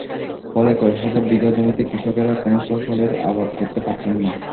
ফলে কয়েক হাজার বিঘা জমিতে কৃষকেরা কোনো ফসলের আবাদ করতে পারছেন না।